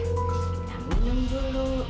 kita minum dulu ya